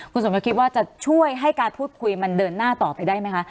คุณสมยศคิดว่าจะช่วยให้การพูดคุยมันเดินหน้าต่อไปได้ไหมคะ